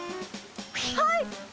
はい！